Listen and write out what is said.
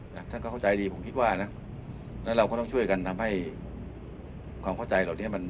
ท่านเข้าใจดีผมคิดว่านะแล้วเราก็ต้องช่วยกันทำให้